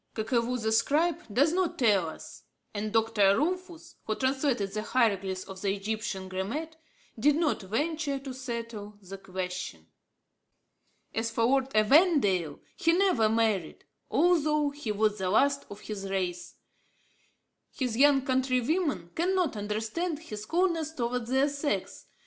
Kakevou the scribe does not tell us, and Dr. Rumphius, who translated the hieroglyphs of the Egyptian grammat, did not venture to settle the question. As for Lord Evandale, he never married, although he was the last of his race. His young countrywomen cannot understand his coldness towards their sex.